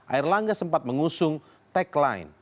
air langga sempat mengusung tagline